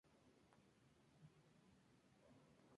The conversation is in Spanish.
Las máquinas serán probadas en la granja en Missouri.